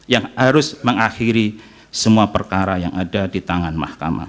yang harus mengakhiri semua perkara yang ada di tangan mahkamah